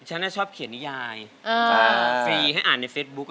ฉันชอบเขียนนิยายฟรีให้อ่านในเฟซบุ๊ค